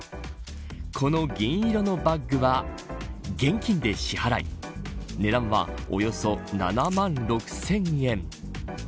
この銀色のバッグは現金で支払い値段は、およそ７万６０００円。